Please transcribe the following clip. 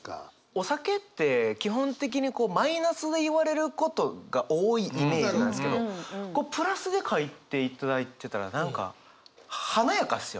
お酒って基本的にマイナスで言われることが多いイメージなんですけどプラスで書いていただいてたら何か華やかっすよね！